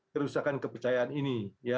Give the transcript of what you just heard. kerusakan kepercayaan ini